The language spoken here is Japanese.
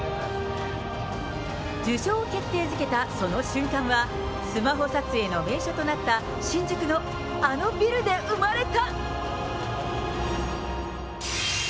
受賞を決定づけたその瞬間は、スマホ撮影の名所となった、新宿のあのビルで生まれた。